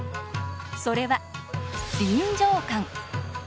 それは、臨場感。